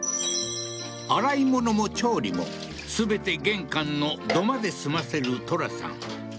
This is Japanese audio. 洗い物も調理も全て玄関の土間で済ませるトラさん